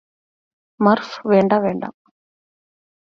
മര്ഫ് വേണ്ട വേണ്ട